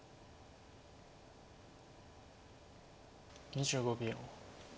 ２５秒。